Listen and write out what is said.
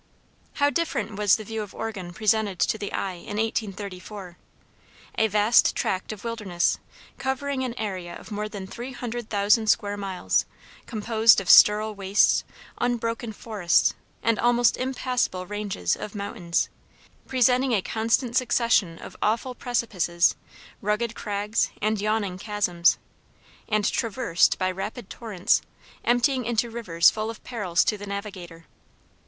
How different was the view of Oregon presented to the eye in 1834! A vast tract of wilderness, covering an area of more than three hundred thousand square miles, composed of sterile wastes, unbroken forests, and almost impassable ranges of mountains, presenting a constant succession of awful precipices, rugged crags, and yawning chasms, and traversed by rapid torrents, emptying into rivers full of perils to the navigator.